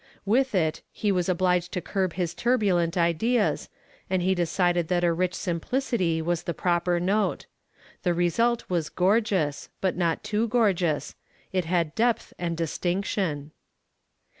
With it he was obliged to curb his turbulent ideas, and he decided that a rich simplicity was the proper note. The result was gorgeous, but not too gorgeous, it had depth and distinction.